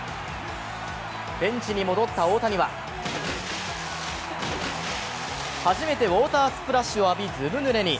ベンチに戻った大谷は初めてウォータースプラッシュを浴び、ずぶぬれに。